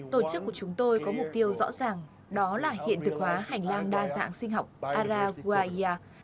tổ chức của chúng tôi có mục tiêu rõ ràng đó là hiện thực hóa hành lang đa dạng sinh học araguayya